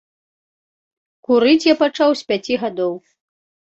Курыць я пачаў з пяці гадоў.